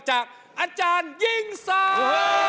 อาจารย์ยิงสรรค